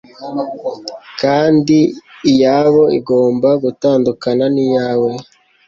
kandi iyabo igomba gutandukana n'iyawe